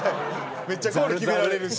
めっちゃゴール決められるし。